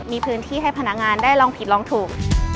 มีพื้นที่ให้พนักงานได้ลองผิดลองถูก